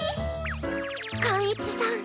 貫一さん。